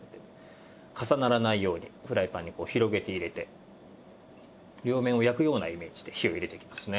重ならないようにフライパンにこう広げて入れて両面を焼くようなイメージで火を入れていきますね。